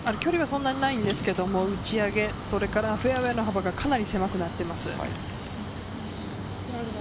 距離はそんなにないのですけれども、打ち上げ、フェアウエーの幅がかなり狭くなっています。